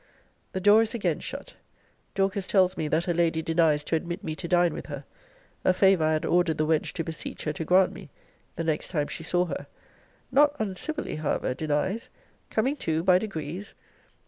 The door is again shut. Dorcas tells me, that her lady denies to admit me to dine with her; a favour I had ordered the wench to beseech her to grant me, the next time she saw her not uncivilly, however, denies coming to by degrees!